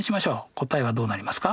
答えはどうなりますか？